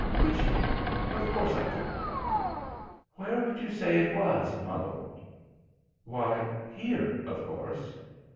"Wych Street! Of course I do." "Where would you say it was, my lord?" "Why, here, of course."